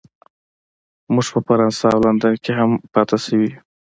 موږ په فرانسه او لندن کې هم پاتې شوي یو